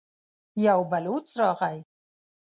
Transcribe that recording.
يو بلوڅ راغی.